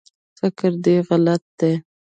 فکر دی غلط دی